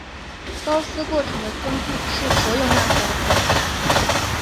高斯过程的分布是所有那些的分布。